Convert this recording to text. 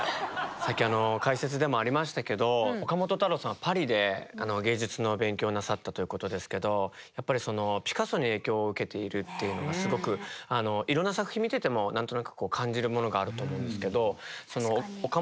さっき解説でもありましたけど岡本太郎さんはパリで芸術の勉強をなさったということですけどやっぱりピカソに影響を受けているっていうのがすごくいろんな作品見てても何となく感じるものがあると思うんですけど岡本